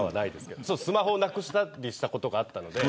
スマホをなくしたりしたことがあったんで。